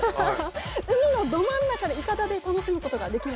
海のど真ん中でいかだで楽しむことができるんです。